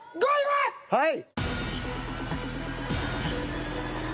はい。